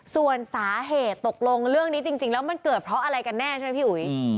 ส่วนสาเหตุตกลงเรื่องนี้จริงแล้วมันเกิดเพราะอะไรกันแน่ใช่ไหมพี่อุ๋ย